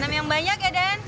yang banyak ya den